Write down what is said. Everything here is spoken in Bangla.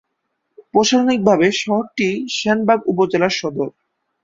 প্রশাসনিকভাবে শহরটি সেনবাগ উপজেলার সদর।